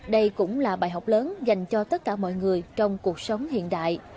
đây cũng là bài học lớn dành cho tất cả mọi người trong cuộc sống hiện đại